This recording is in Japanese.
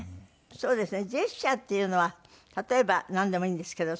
そうですね。